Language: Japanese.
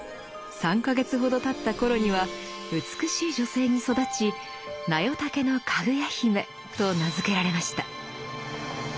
３か月ほどたった頃には美しい女性に育ち「なよ竹のかぐや姫」と名付けられました。